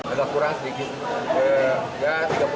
agak kurang sedikit